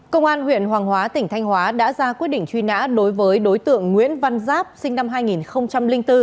công an huyện hoàng hóa tỉnh thanh hóa đã ra quyết định truy nã đối với đối tượng nguyễn văn giáp sinh năm hai nghìn bốn